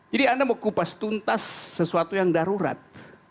jadi anda mau kupas tuntas sesuatu yang darurat